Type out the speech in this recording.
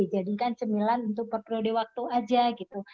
jadikan cemilan untuk per periode waktu aja gitu